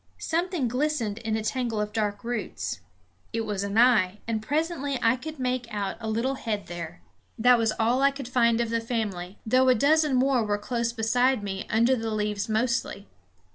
Something glistened in a tangle of dark roots. It was an eye, and presently I could make out a little head there. That was all I could find of the family, though a dozen more were close beside me, under the leaves mostly.